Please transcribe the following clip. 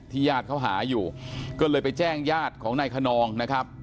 ญาติเขาหาอยู่ก็เลยไปแจ้งญาติของนายขนองนะครับ